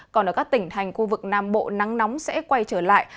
còn ở các tỉnh thành khu vực nam bộ nắng nóng sẽ quay trở lại